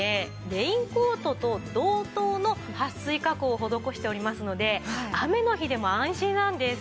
レインコートと同等のはっ水加工を施しておりますので雨の日でも安心なんです。